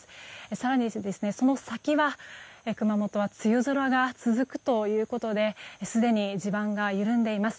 更にその先は、熊本は梅雨空が続くということですでに地盤が緩んでいます。